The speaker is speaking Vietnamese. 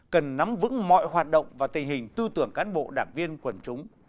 cần nắm vững mọi hoạt động và tình hình tư tưởng cán bộ đảng viên quần chúng